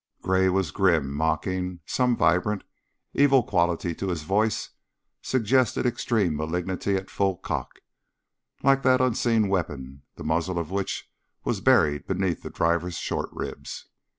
Gray was grim, mocking; some vibrant, evil quality to his voice suggested extreme malignity at full cock, like that unseen weapon the muzzle of which was buried beneath the driver's short ribs.